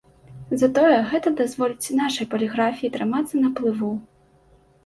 Затое гэта дазволіць нашай паліграфіі трымацца на плыву.